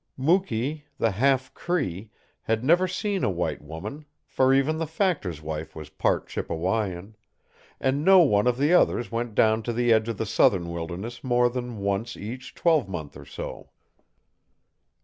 Mukee, the half Cree, had never seen a white woman, for even the factor's wife was part Chippewayan; and no one of the others went down to the edge of the southern wilderness more than once each twelvemonth or so.